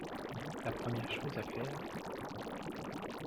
La première chose à faire…